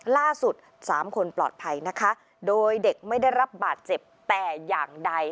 สามคนปลอดภัยนะคะโดยเด็กไม่ได้รับบาดเจ็บแต่อย่างใด